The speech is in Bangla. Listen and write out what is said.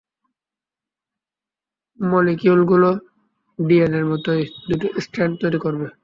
মলিকিউলগুলো ডিএনএ-র মতই দুটো স্ট্র্যান্ড তৈরী করবে।